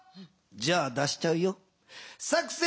じゃあ出しちゃうよ。